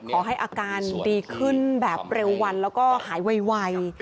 ขอให้อาการดีขึ้นแบบเร็ววันแล้วก็หายไว